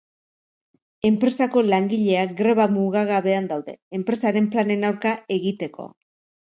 Enpresako langileak greba mugagabean daude, enpresaren planen aurka egiteko.